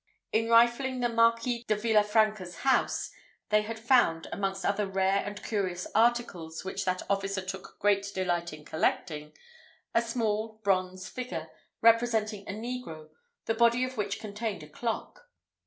In rifling the Marquis de Villafranca's house, they had found, amongst other rare and curious articles which that officer took great delight in collecting, a small bronze figure, representing a negro, the body of which contained a clock.